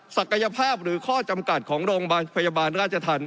ศักยภาพหรือข้อจำกัดของโรงพยาบาลราชธรรม